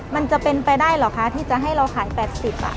มันจะเป็นไปได้เหรอคะที่จะให้เราขาย๘๐บาท